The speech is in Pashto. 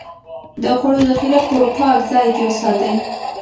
د خوړو ذخيره په پاک ځای کې وساتئ.